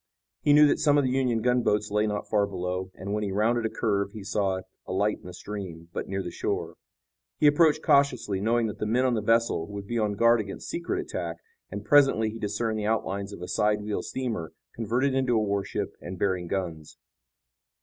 He knew that some of the Union gunboats lay not far below, and, when he rounded a curve, he saw a light in the stream, but near the shore. He approached cautiously, knowing that the men on the vessel would be on guard against secret attack, and presently he discerned the outlines of a sidewheel steamer, converted into a warship and bearing guns.